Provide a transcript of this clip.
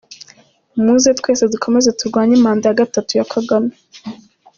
Muze twese dukomeze turwanye mandat ya gatatu ya Kagame